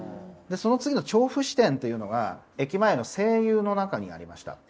その次の調布支店というのが駅前の西友の中にありました。